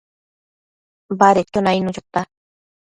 badedquio nainnu chota